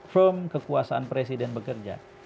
firm kekuasaan presiden bekerja